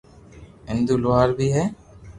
ھندو لوھار بي ھي